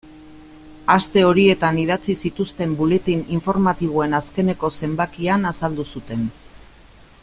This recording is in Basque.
Aste horietan idatzi zituzten buletin informatiboen azkeneko zenbakian azaldu zuten.